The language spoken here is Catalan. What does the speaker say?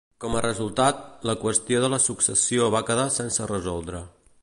Com a resultat, la qüestió de la successió va quedar sense resoldre.